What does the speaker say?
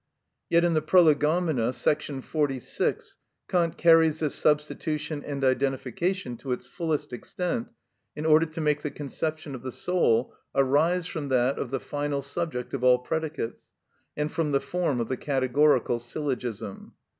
Yet in the "Prolegomena," § 46, Kant carries this substitution and identification to its fullest extent in order to make the conception of the soul arise from that of the final subject of all predicates and from the form of the categorical syllogism.